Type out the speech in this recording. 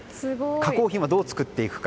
加工品はどう作っていくか。